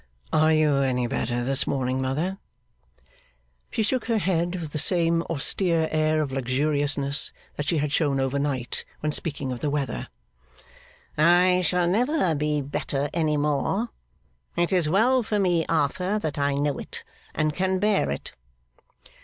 'Are you any better this morning, mother?' She shook her head, with the same austere air of luxuriousness that she had shown over night when speaking of the weather. 'I shall never be better any more. It is well for me, Arthur, that I know it and can bear it.